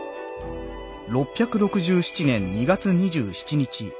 「６６７年２月２７日。